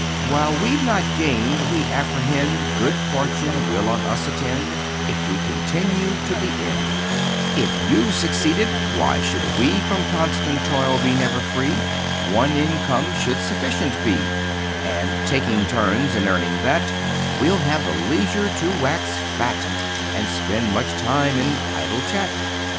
"While we've not gained, we apprehend Good Fortune will on us attend, If we continue to the end. "If you've succeeded, why should we From constant toil be never free? One income should sufficient be; "And, taking turns in earning that, We'll have the leisure to wax fat And spend much time in idle chat.